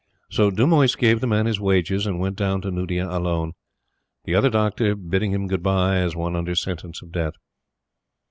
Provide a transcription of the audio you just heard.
So Dumoise gave the man his wages and went down to Nuddea alone; the other Doctor bidding him good bye as one under sentence of death.